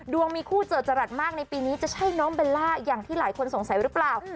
มีคู่เจอจรัสมากในปีนี้จะใช่น้องเบลล่าอย่างที่หลายคนสงสัยหรือเปล่า